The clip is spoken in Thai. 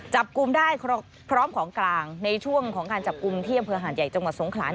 จับกลุ่มได้พร้อมของกลางในช่วงของการจับกลุ่มที่อำเภอหาดใหญ่จังหวัดสงขลา